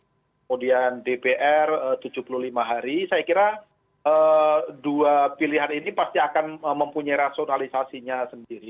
kemudian dpr tujuh puluh lima hari saya kira dua pilihan ini pasti akan mempunyai rasionalisasinya sendiri